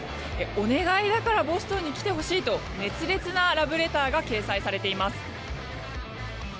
お願いだからボストンに来てほしいと熱烈なラブレターが掲載されています。